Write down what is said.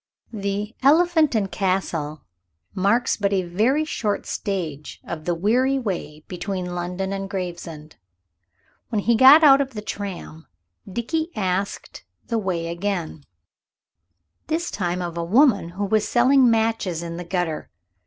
The "Elephant and Castle" marks but a very short stage of the weary way between London and Gravesend. When he got out of the tram Dickie asked the way again, this time of a woman who was selling matches in the gutter.